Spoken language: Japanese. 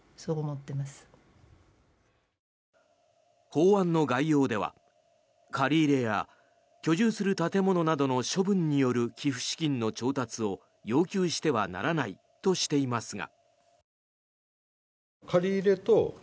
法案の概要では借り入れや居住する建物の処分による寄付資金の調達を要求してはならないとしていますが。